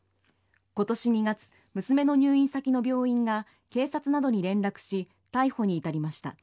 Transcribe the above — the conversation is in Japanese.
今年２月、娘の入院先の病院が警察などに連絡し逮捕に至りました。